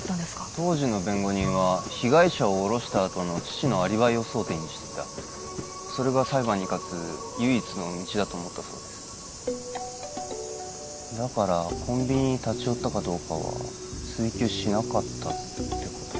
当時の弁護人は被害者を降ろしたあとの父のアリバイを争点にしてたそれが裁判に勝つ唯一の道だと思ったそうですだからコンビニに立ち寄ったかどうかは追及しなかったってことか